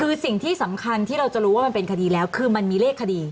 คือสิ่งที่สำคัญที่เราจะรู้ว่ามันเป็นคดีแล้วคือมันมีเลขคดี